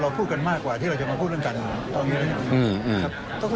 พูดกันมากกว่าที่เราจะมาพูดเรื่องการเมืองเอาอย่างนี้นะครับ